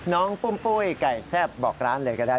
ปุ้มปุ้ยไก่แซ่บบอกร้านเลยก็ได้